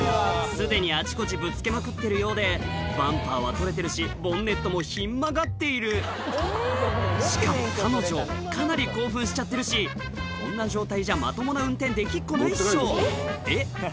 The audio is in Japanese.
すでにあちこちぶつけまくってるようでバンパーは取れてるしボンネットもひん曲がっているしかも彼女かなり興奮しちゃってるしこんな状態じゃまともな運転できっこないっしょえっ？